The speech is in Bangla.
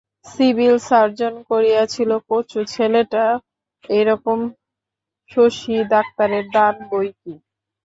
সিভিল সার্জন করিয়াছিল কচু, ছেলেটা একরকম শশী ডাক্তারের দান বৈকি!